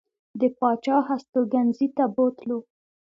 د پاچا هستوګنځي ته بوتلو.